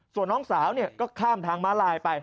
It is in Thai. ส่วนน้องสาวก็ข้ามทางม้าลายไป